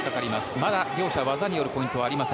まだ両者技によるポイントなし。